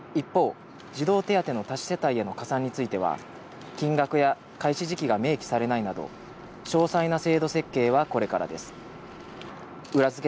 一方、児童手当の多子世帯への加算ついては金額や開始時期が明記されないなど、詳細な制度設計はこれからです。